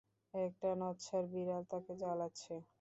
একটা নচ্ছার বিড়াল তাঁকে জ্বালাচ্ছে।